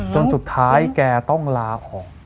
จนสุดท้ายแกต้องลาออก